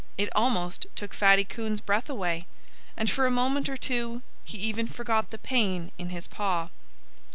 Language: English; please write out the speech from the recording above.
It almost took Fatty Coon's breath away. And for a moment or two he even forgot the pain in his paw.